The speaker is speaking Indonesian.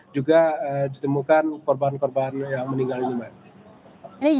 juga ditemukan korban korban yang meninggal ini mbak